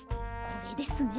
これですね。